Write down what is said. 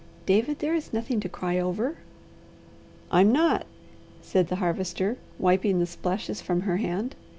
David, there is nothing to cry over!" "I'm not!" said the Harvester, wiping the splashes from her hand.